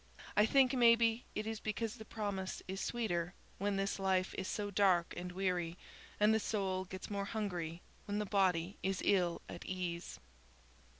I think maybe it is because the promise is sweeter when this life is so dark and weary, and the soul gets more hungry when the body is ill at ease."